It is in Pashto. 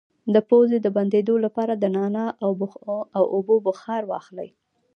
د پوزې د بندیدو لپاره د نعناع او اوبو بخار واخلئ